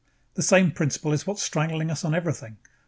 The same principle is what's strangling us on everything.